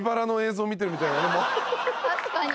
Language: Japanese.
確かに。